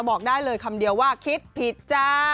บอกได้เลยคำเดียวว่าคิดผิดจ้า